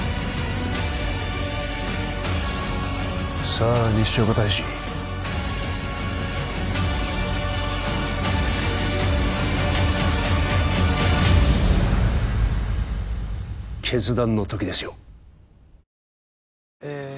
さあ西岡大使決断の時ですよえ